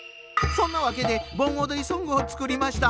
そんなわけで盆おどりソングを作りました。